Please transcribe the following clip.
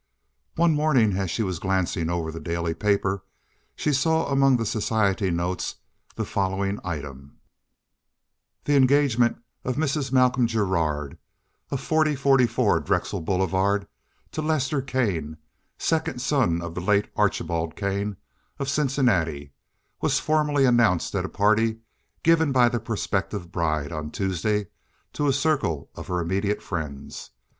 One morning, as she was glancing over the daily paper, she saw among the society notes the following item: The engagement of Mrs. Malcolm Gerald, of 4044 Drexel Boulevard, to Lester Kane, second son of the late Archibald Kane, of Cincinnati, was formally announced at a party given by the prospective bride on Tuesday to a circle of her immediate friends.